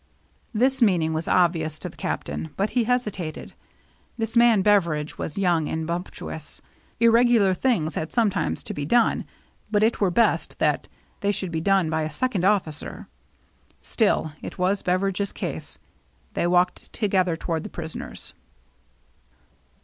His meaning was obvious to the Captain; but he hesitated. This man Beveridge was young and bumptious. Irregular things had sometimes to be done, but it were best that they should be done by a seasoned officer.^ Still, it was Beveridge's case. They walked together toward the prisoners.